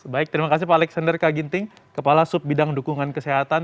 baik terima kasih pak alexander kaginting kepala sub bidang dukungan kesehatan